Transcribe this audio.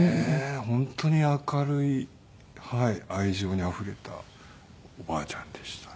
本当に明るい愛情にあふれたおばあちゃんでしたね。